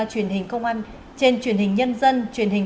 truyền hình nhân dân truyền hình